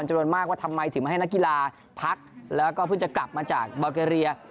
จำนวนมากว่าทำไมถึงมาให้นักกีฬาพักแล้วก็เพิ่งจะกลับมาจากบอเกรีย